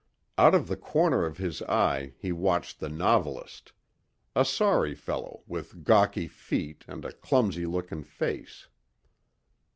Out of the corner of his eye he watched the novelist. A sorry fellow with gawky feet and a clumsy looking face.